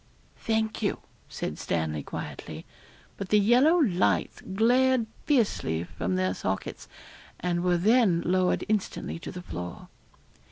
'Thank you,' said Stanley quietly, but the yellow lights glared fiercely from their sockets, and were then lowered instantly to the floor.